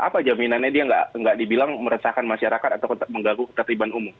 apa jaminannya dia nggak dibilang meresahkan masyarakat atau mengganggu ketertiban umum